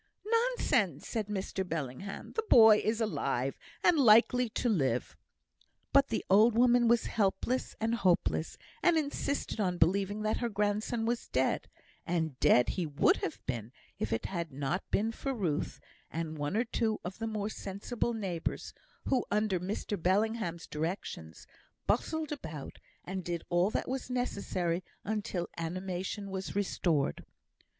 "Nonsense," said Mr Bellingham, "the boy is alive, and likely to live." But the old woman was helpless and hopeless, and insisted on believing that her grandson was dead; and dead he would have been if it had not been for Ruth, and one or two of the more sensible neighbours, who, under Mr Bellingham's directions, bustled about, and did all that was necessary until animation was restored.